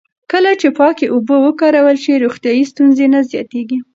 کله چې پاکې اوبه وکارول شي، روغتیایي ستونزې نه زیاتېږي.